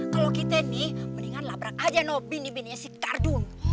kalau kita ini mendingan labrak saja bini bininya si kardun